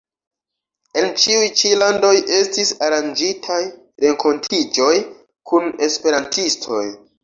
En ĉiuj ĉi landoj estis aranĝitaj renkontiĝoj kun esperantistoj.